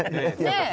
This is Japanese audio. ねえ？